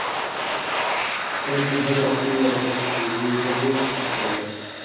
The clergy must be vested whenever they handle the Holy Mysteries.